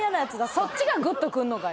そっちがグッとくんのかい。